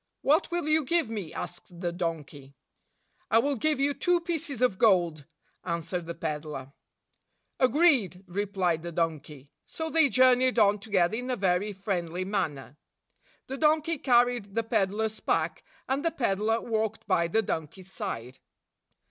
"What will you give me?" asked the donkey. "I will give you two pieces of gold," an swered the peddler. "Agreed," replied the donkey. So they journeyed on together in a very friendly man ner. The donkey carried the peddler's pack, and the peddler walked by the donkey's side.